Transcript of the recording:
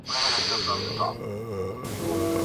که نسيم الوزي اِېرې اوروي!.